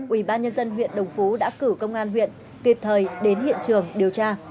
ủy ban nhân dân huyện đồng phú đã cử công an huyện kịp thời đến hiện trường điều tra